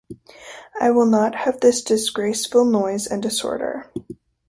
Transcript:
I will not have this disgraceful noise and disorder!